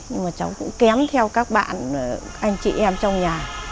nhưng mà cháu cũng kém theo các bạn anh chị em trong nhà